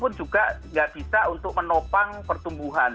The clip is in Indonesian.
pun juga nggak bisa untuk menopang pertumbuhan